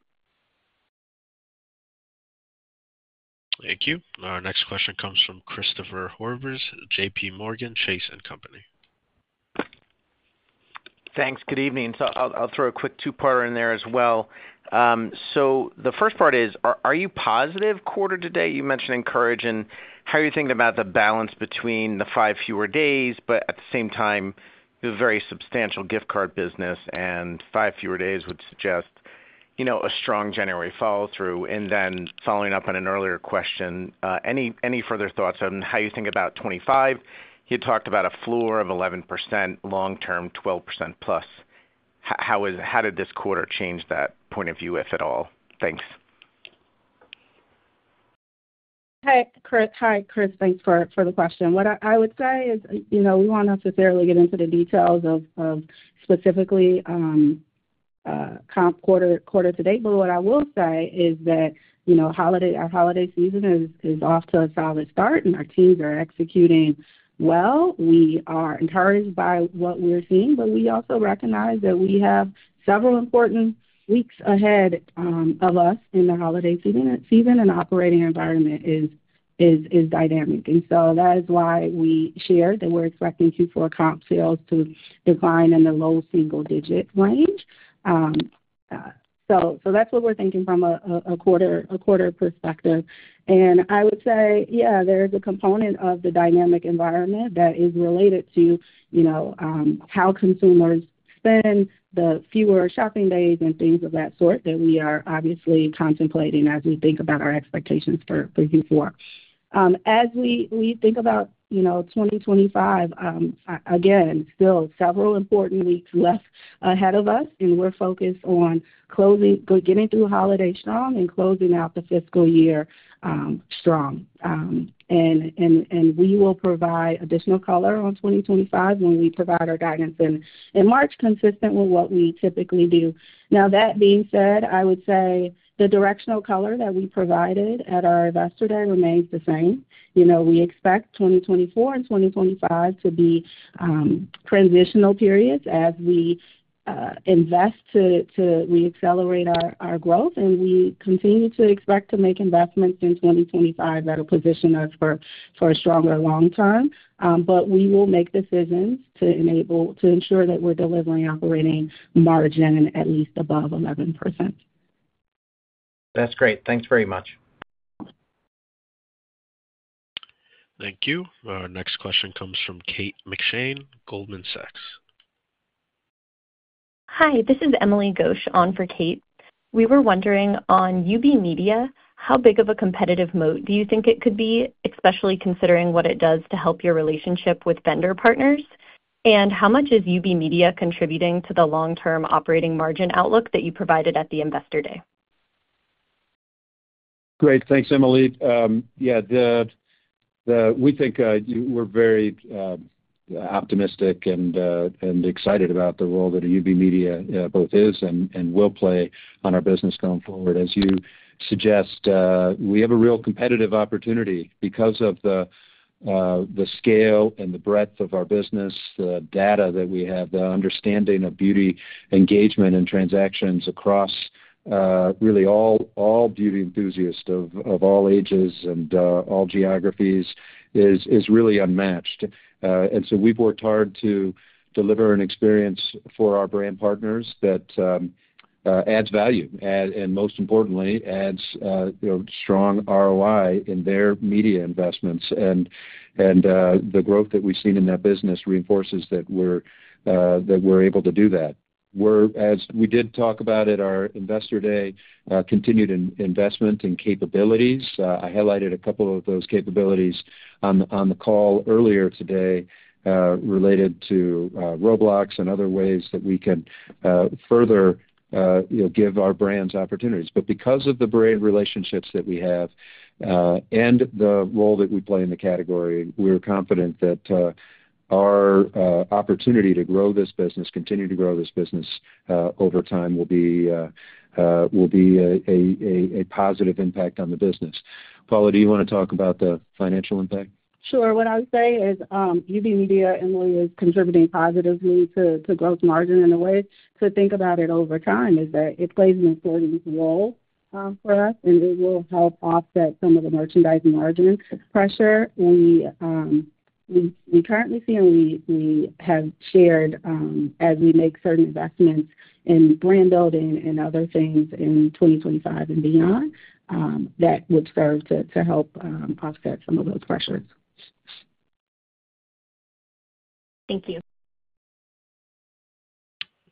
A: Thank you. Our next question comes from Christopher Horvers, JPMorgan Chase & Co.
I: Thanks. Good evening. So I'll throw a quick two-parter in there as well. So the first part is, are you positive quarter today? You mentioned encouraging. How are you thinking about the balance between the five fewer days, but at the same time, the very substantial gift card business, and five fewer days would suggest a strong January follow-through? And then following up on an earlier question, any further thoughts on how you think about 2025? You talked about a floor of 11%, long-term 12%+. How did this quarter change that point of view, if at all? Thanks.
D: Hi, Chris. Thanks for the question. What I would say is we won't necessarily get into the details of specifically quarter to date, but what I will say is that our holiday season is off to a solid start, and our teams are executing well. We are encouraged by what we're seeing, but we also recognize that we have several important weeks ahead of us in the holiday season, and the operating environment is dynamic. And so that is why we shared that we're expecting Q4 comp sales to decline in the low single-digit range. So that's what we're thinking from a quarter perspective. I would say, yeah, there is a component of the dynamic environment that is related to how consumers spend the fewer shopping days and things of that sort that we are obviously contemplating as we think about our expectations for Q4. As we think about 2025, again, still several important weeks left ahead of us, and we're focused on getting through holiday strong and closing out the fiscal year strong. We will provide additional color on 2025 when we provide our guidance in March, consistent with what we typically do. Now, that being said, I would say the directional color that we provided at our Investor Day remains the same. We expect 2024 and 2025 to be transitional periods as we invest to re-accelerate our growth, and we continue to expect to make investments in 2025 that will position us for a stronger long term. But we will make decisions to ensure that we're delivering operating margin at least above 11%.
I: That's great. Thanks very much.
A: Thank you. Our next question comes from Kate McShane, Goldman Sachs.
J: Hi, this is Emily Ghosh on for Kate. We were wondering on UB Media, how big of a competitive moat do you think it could be, especially considering what it does to help your relationship with vendor partners? And how much is UB Media contributing to the long-term operating margin outlook that you provided at the Investor Day?
C: Great. Thanks, Emily. Yeah. We think we're very optimistic and excited about the role that UB Media both is and will play on our business going forward. As you suggest, we have a real competitive opportunity because of the scale and the breadth of our business, the data that we have, the understanding of beauty engagement and transactions across really all beauty enthusiasts of all ages and all geographies is really unmatched. And so we've worked hard to deliver an experience for our brand partners that adds value and, most importantly, adds strong ROI in their media investments. And the growth that we've seen in that business reinforces that we're able to do that. We did talk about it at our Investor Day: continued investment and capabilities. I highlighted a couple of those capabilities on the call earlier today related to Roblox and other ways that we can further give our brands opportunities. But because of the brand relationships that we have and the role that we play in the category, we're confident that our opportunity to grow this business, continue to grow this business over time will be a positive impact on the business. Paula, do you want to talk about the financial impact?
D: Sure. What I would say is UB Media, Emily, is contributing positively to gross margin in a way. So think about it over time is that it plays an important role for us, and it will help offset some of the merchandising margin pressure we currently see. And we have shared, as we make certain investments in brand building and other things in 2025 and beyond, that would serve to help offset some of those pressures.
J: Thank you.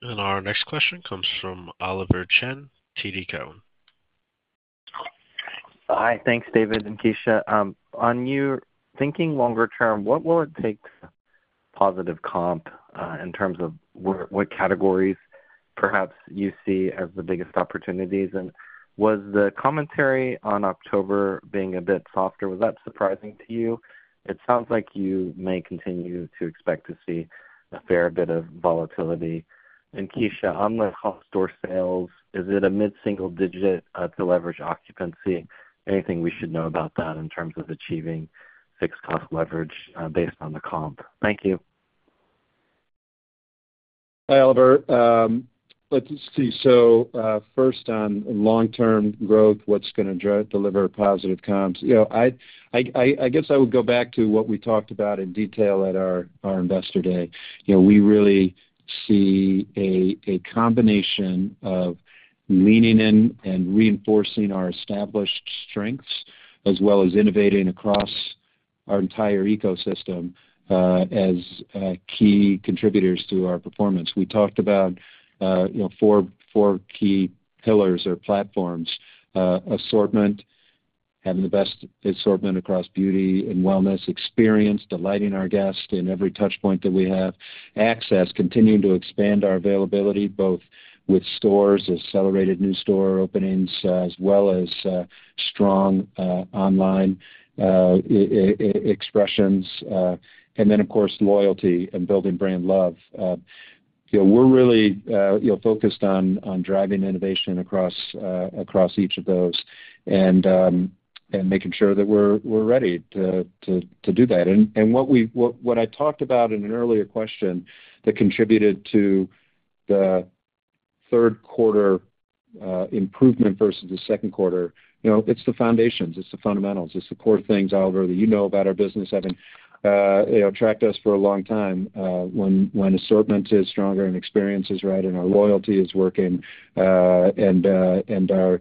A: And our next question comes from Oliver Chen, TD Cowen.
K: Hi. Thanks, Dave and Kecia. On your thinking longer term, what will it take positive comp in terms of what categories perhaps you see as the biggest opportunities? And was the commentary on October being a bit softer, was that surprising to you? It sounds like you may continue to expect to see a fair bit of volatility. And Kecia, on the comp sales, is it a mid-single digit to leverage occupancy? Anything we should know about that in terms of achieving fixed cost leverage based on the comp? Thank you.
C: Hi, Oliver. Let's see. So first, on long-term growth, what's going to deliver positive comps? I guess I would go back to what we talked about in detail at our Investor Day. We really see a combination of leaning in and reinforcing our established strengths as well as innovating across our entire ecosystem as key contributors to our performance. We talked about four key pillars or platforms: assortment, having the best assortment across beauty and wellness, experience, delighting our guests in every touchpoint that we have, access, continuing to expand our availability both with stores, accelerated new store openings, as well as strong online expressions, and then, of course, loyalty and building brand love. We're really focused on driving innovation across each of those and making sure that we're ready to do that. And what I talked about in an earlier question that contributed to the third quarter improvement versus the second quarter, it's the foundations. It's the fundamentals. It's the core things, Oliver, that you know about our business, having tracked us for a long time. When assortment is stronger and experience is right and our loyalty is working and our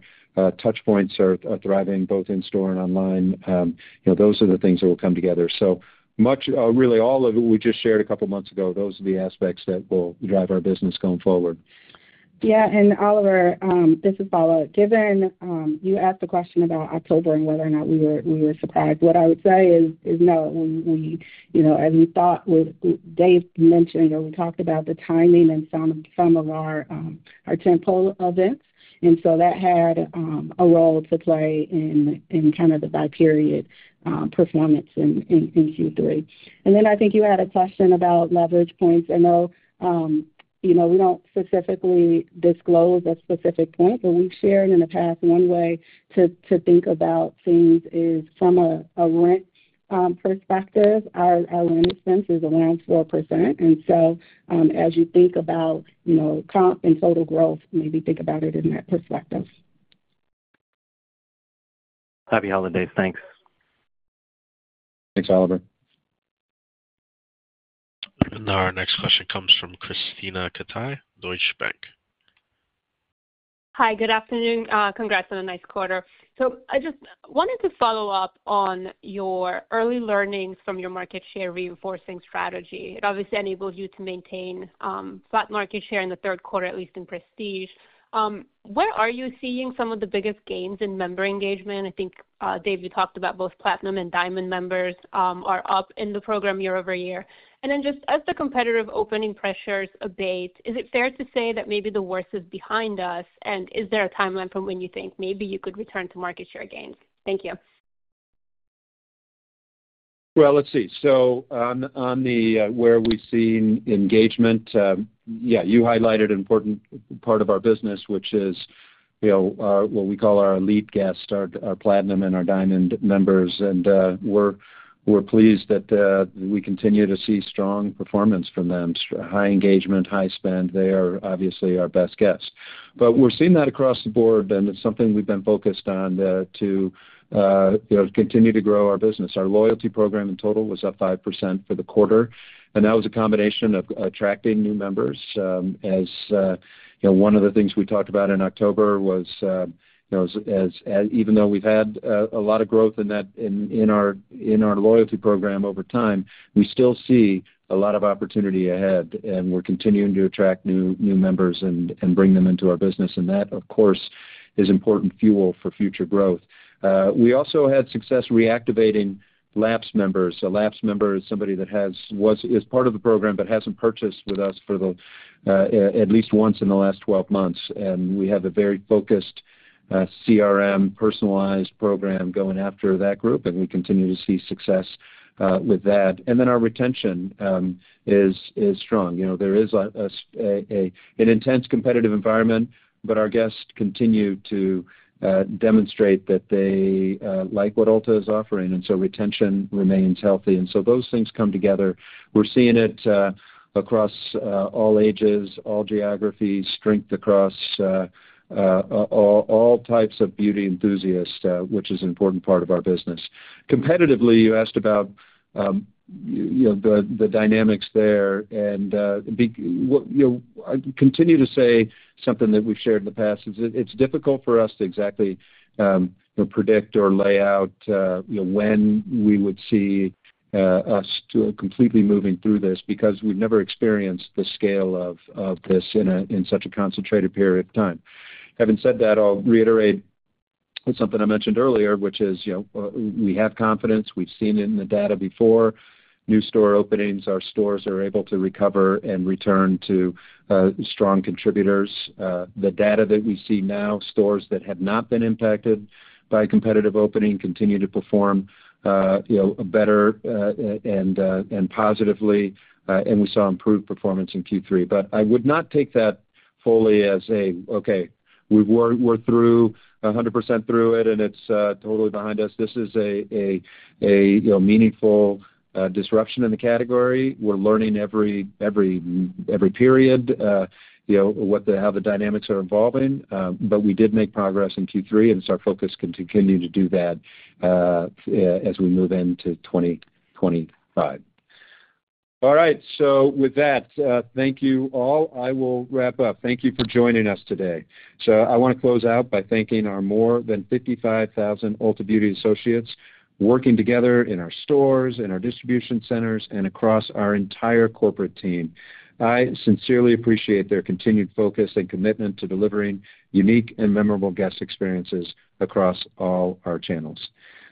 C: touchpoints are thriving both in store and online, those are the things that will come together. So really, all of what we just shared a couple of months ago, those are the aspects that will drive our business going forward.
D: Yeah. And Oliver, this is Paula. Given you asked the question about October and whether or not we were surprised, what I would say is no. As we thought, Dave mentioned, or we talked about the timing and some of our tentpole events. And so that had a role to play in kind of the five-week period performance in Q3. And then I think you had a question about leverage points. I know we don't specifically disclose a specific point, but we've shared in the past one way to think about things is from a rent perspective. Our rent expense is around 4%. And so as you think about comp and total growth, maybe think about it in that perspective.
K: Happy holidays. Thanks.
C: Thanks, Oliver.
A: Our next question comes from Krisztina Katai, Deutsche Bank.
L: Hi. Good afternoon. Congrats on a nice quarter. I just wanted to follow up on your early learnings from your market share reinforcing strategy. It obviously enables you to maintain flat market share in the third quarter, at least in prestige. Where are you seeing some of the biggest gains in member engagement? I think, Dave, you talked about both Platinum and Diamond members are up in the program year over year. Then just as the competitive opening pressures abate, is it fair to say that maybe the worst is behind us? Is there a timeline from when you think maybe you could return to market share gains? Thank you.
C: Let's see. So where we've seen engagement, yeah, you highlighted an important part of our business, which is what we call our elite guests, our Platinum and our Diamond members. We're pleased that we continue to see strong performance from them, high engagement, high spend. They are obviously our best guests. We're seeing that across the board, and it's something we've been focused on to continue to grow our business. Our loyalty program in total was up 5% for the quarter. That was a combination of attracting new members. One of the things we talked about in October was, even though we've had a lot of growth in our loyalty program over time, we still see a lot of opportunity ahead, and we're continuing to attract new members and bring them into our business. That, of course, is important fuel for future growth. We also had success reactivating lapsed members. A lapsed member is somebody that is part of the program but hasn't purchased with us at least once in the last 12 months, and we have a very focused CRM personalized program going after that group, and we continue to see success with that, and then our retention is strong. There is an intense competitive environment, but our guests continue to demonstrate that they like what Ulta is offering, and so retention remains healthy, and so those things come together. We're seeing it across all ages, all geographies, strength across all types of beauty enthusiasts, which is an important part of our business. Competitively, you asked about the dynamics there. I continue to say something that we've shared in the past is it's difficult for us to exactly predict or lay out when we would see us completely moving through this because we've never experienced the scale of this in such a concentrated period of time. Having said that, I'll reiterate something I mentioned earlier, which is we have confidence. We've seen it in the data before. New store openings, our stores are able to recover and return to strong contributors. The data that we see now, stores that have not been impacted by competitive opening continue to perform better and positively, and we saw improved performance in Q3. But I would not take that fully as a, "Okay, we're through 100% through it, and it's totally behind us." This is a meaningful disruption in the category. We're learning every period how the dynamics are evolving. But we did make progress in Q3, and so our focus continues to do that as we move into 2025. All right. So with that, thank you all. I will wrap up. Thank you for joining us today. So I want to close out by thanking our more than 55,000 Ulta Beauty associates working together in our stores, in our distribution centers, and across our entire corporate team. I sincerely appreciate their continued focus and commitment to delivering unique and memorable guest experiences across all our channels.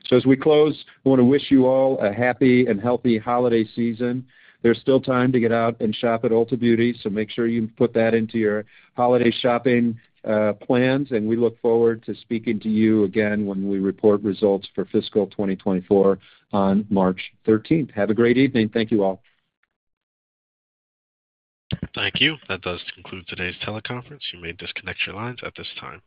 C: So as we close, I want to wish you all a happy and healthy holiday season. There's still time to get out and shop at Ulta Beauty, so make sure you put that into your holiday shopping plans. And we look forward to speaking to you again when we report results for fiscal 2024 on March 13th. Have a great evening. Thank you all.
A: Thank you. That does conclude today's teleconference. You may disconnect your lines at this time.